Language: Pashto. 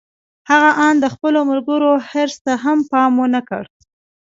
هغه آن د خپلو ملګرو حرص ته هم پام و نه کړ.